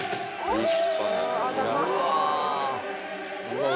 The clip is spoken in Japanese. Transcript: うわ！